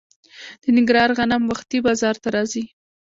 د ننګرهار غنم وختي بازار ته راځي.